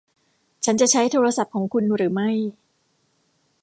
ฉันจะใช้โทรศัพท์ของคุณหรือไม่